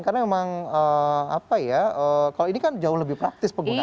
karena memang apa ya kalau ini kan jauh lebih praktis penggunaannya